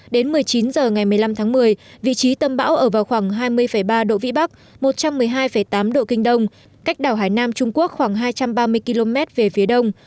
đến một mươi chín h ngày một mươi năm tháng một mươi vị trí tâm bão ở vào khoảng hai mươi ba độ vĩ bắc một trăm một mươi hai tám độ kinh đông cách đảo hải nam trung quốc khoảng hai trăm ba mươi km về phía đông